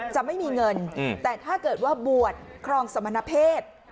จะไม่มีเงินแต่ถ้าเกิดว่าบวชครองสมณเพศ